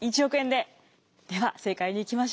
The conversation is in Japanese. では正解にいきましょう！